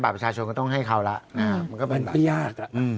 บอทประชาชนก็ต้องให้เขาละมันเป็นประยาท